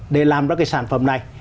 để làm ra cái sản phẩm này